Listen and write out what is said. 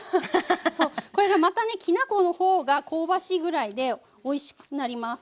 これがまたねきな粉のほうが香ばしいぐらいでおいしくなります。